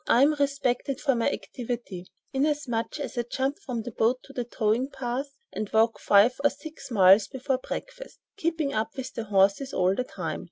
I am respected for my activity, inasmuch as I jump from the boat to the towing path, and walk five or six miles before breakfast, keeping up with the horses all the time."